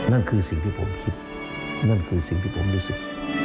นั่นคือสิ่งที่ผมคิดนั่นคือสิ่งที่ผมรู้สึก